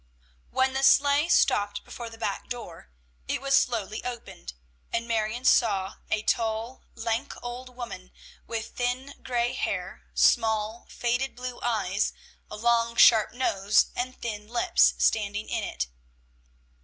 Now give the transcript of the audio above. When the sleigh stopped before the back door, it was slowly opened, and Marion saw a tall, lank old woman with thin gray hair, small, faded blue eyes, a long, sharp nose, and thin lips, standing in it.